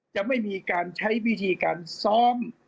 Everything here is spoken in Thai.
จะไม่มีการใช้วิธีการซ้อม